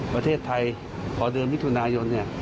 ประเทศไทยพอเดือนมิถุนายน